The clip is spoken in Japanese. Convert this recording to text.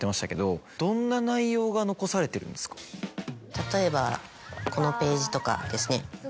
例えばこのページとかですね。